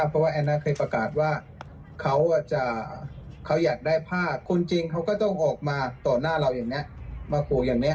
เพราะว่าแอนน่อเคยประกาศว่าเขาจะเขาอยากได้พาก